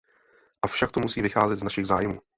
Avšak to musí vycházet z našich zájmů.